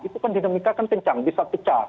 itu kan dinamika kan kencang bisa pecah